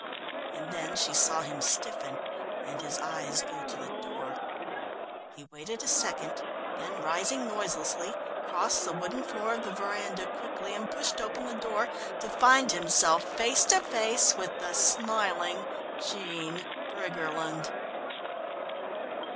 And then she saw him stiffen and his eyes go to the door. He waited a second, then rising noiselessly, crossed the wooden floor of the veranda quickly and pushed open the door, to find himself face to face with the smiling Jean Briggerland.